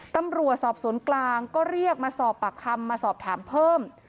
ตำรวจสอบสวนกลางก็เรียกมาสอบปากคำมาสอบถามเพิ่ม